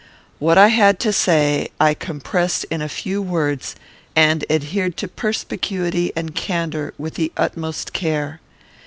What I had to say, I compressed in a few words, and adhered to perspicuity and candour with the utmost care.